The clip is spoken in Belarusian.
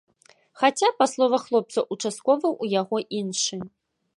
Хаця, па словах хлопца, участковы ў яго іншы.